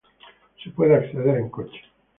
Se puede acceder en coche.